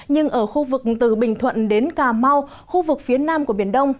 nhưng ở khu vực từ bình thuận đến cà mau khu vực phía nam của biển đông